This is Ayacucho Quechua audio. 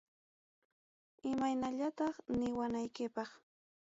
Imaynallataq niwanaykipaq.